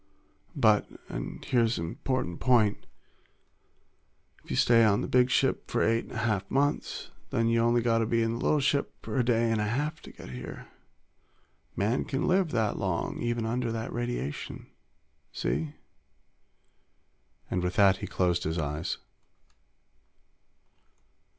"But and here's a 'mportant point: If you stay on the big ship for eight an' a half months, then y' only got to be in the little ship for a day an' a half to get here. Man can live that long, even under that radiation. See?" And with that, he closed his eyes.